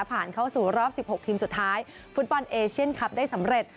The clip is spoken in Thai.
ผ่านเข้าสู่รอบ๑๖ทีมสุดท้ายฟุตบอลเอเชียนคลับได้สำเร็จ